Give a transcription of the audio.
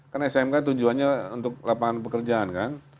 kan smk tujuannya untuk lapangan pekerjaan kan